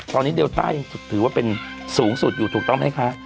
ตอนนี้เดลต้ายังถือว่าเป็นสูงสุดอยู่ถูกต้องไหมคะ